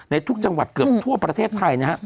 ในทุกจังหวัดเกือบทั่วประเทศไทยนะครับ